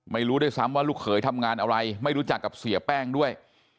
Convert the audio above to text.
ไม่รู้ด้วยซ้ำว่าลูกเขยทำงานอะไรไม่รู้จักกับเสียแป้งด้วย